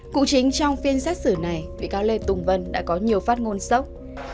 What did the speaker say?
cụ chính trong phiên xét xử này vị cáo lê tùng vân đã có nhiều phát ngôn sốc